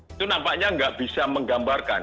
itu nampaknya nggak bisa menggambarkan